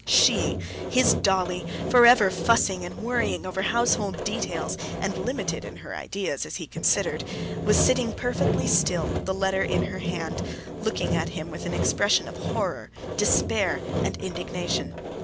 She, his Dolly, forever fussing and worrying over household details, and limited in her ideas, as he considered, was sitting perfectly still with the letter in her hand, looking at him with an expression of horror, despair, and indignation.